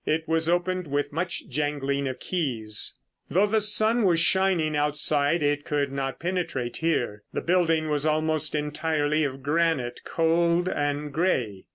It was opened with much jangling of keys. Though the sun was shining outside it could not penetrate here. The building was almost entirely of granite, cold and grey.